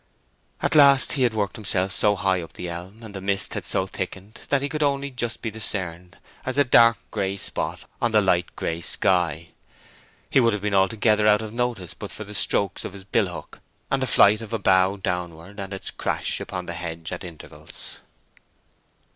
At last he had worked himself so high up the elm, and the mist had so thickened, that he could only just be discerned as a dark gray spot on the light gray sky: he would have been altogether out of notice but for the stroke of his billhook and the flight of a bough downward, and its crash upon the hedge at intervals.